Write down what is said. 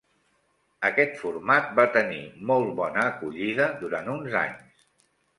Aquest format va tenir molt bona acollida durant uns anys.